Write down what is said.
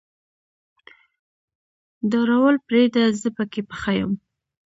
ډارول پرېده زه پکې پخه يم.